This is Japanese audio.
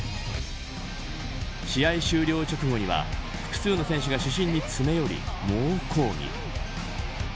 試合終了直後には複数の選手が主審に詰め寄り、猛抗議。